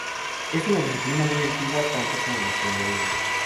Es una disciplina muy antigua, tanto como la astronomía.